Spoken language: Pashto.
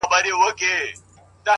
ته لږه ایسته سه چي ما وویني ـ